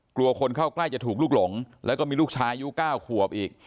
กลัวคนเข้าใกล้จะถูกลุกหลงแล้วก็มีลูกชายอายุ๙ขวบอีก